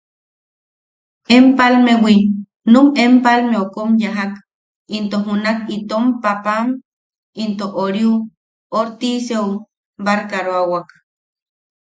Empalmewi, num Empalmeu kom yajak, into junak itom paapam into... oriu... Ortiseu barkaroawak.